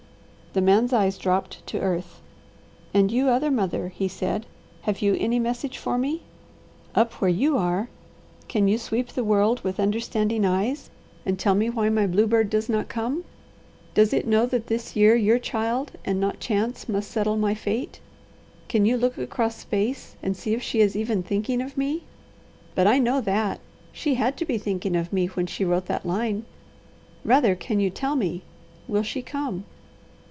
The man's eyes dropped to earth. "And you other mother," he said, "have you any message for me? Up where you are can you sweep the world with understanding eyes and tell me why my bluebird does not come? Does it know that this year your child and not chance must settle my fate? Can you look across space and see if she is even thinking of me? But I know that! She had to be thinking of me when she wrote that line. Rather can you tell me will she come?